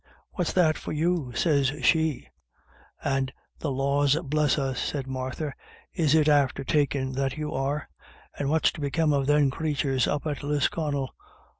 'What's that for you?' sez she, and, 'The laws, bless us/ sez Martha, ' is it after takin' that you are ? And what's to become of them crathurs up at Lisconnel